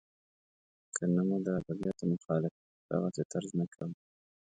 که نه مو د ادبیاتو مخالفت په دغسې طرز نه کاوه.